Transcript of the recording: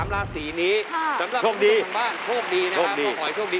๓ลาศีนี่สำหรับคนทางบ้านโชคดี